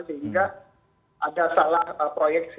sehingga ada salah proyeksi